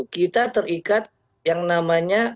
kita terikat yang namanya